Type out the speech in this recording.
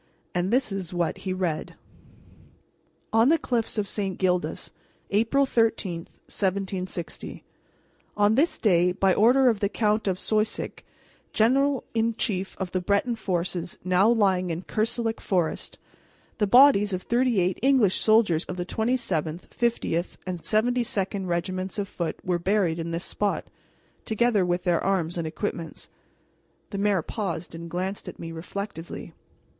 And this is what he read: "ON THE CLIFFS OF ST. GILDAS, APRIL 13, 1760. "On this day, by order of the Count of Soisic, general in chief of the Breton forces now lying in Kerselec Forest, the bodies of thirty eight English soldiers of the 27th, 50th, and 72d regiments of Foot were buried in this spot, together with their arms and equipments." The mayor paused and glanced at me reflectively.